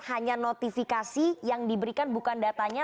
hanya notifikasi yang diberikan bukan datanya